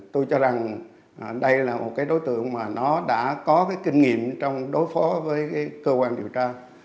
tôi cho rằng đây là một đối tượng đã có kinh nghiệm trong đối phó với cơ quan điều tra